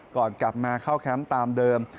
ก่อนกลับมาเข้าแคมป์ตามเดิม